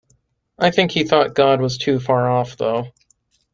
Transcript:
I think he thought God was too far off though.